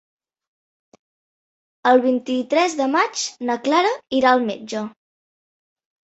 El vint-i-tres de maig na Clara irà al metge.